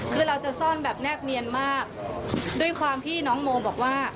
คือเราจะซ่อนแบบแนบเนียนมากด้วยความที่น้องโมบอกว่า